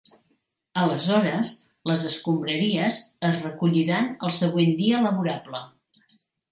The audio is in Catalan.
Aleshores, les escombraries es recolliran el següent dia laborable.